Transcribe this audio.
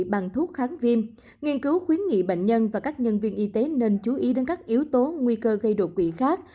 bằng thuốc kháng viêm nghiên cứu khuyến nghị bệnh nhân và các nhân viên y tế nên chú ý đến các yếu tố nguy cơ gây đột quỵ khác